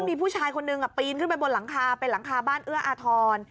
มีผู้ชายคนหนึ่งปีนขึ้นไปบนหลังคาเป็นหลังคาบ้านเอื้ออาทร